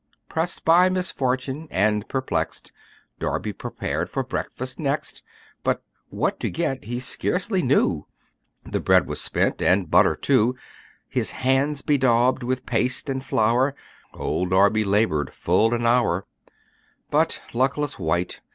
Pressed by misfortune, and perplexed, Darby prepared for breakfast next; But what to get he scarcely knew The bread was spent, the butter too. His hands bedaubed with paste and flour, Old Darby labored full an hour: But, luckless wight!